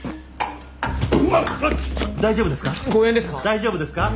大丈夫ですか！？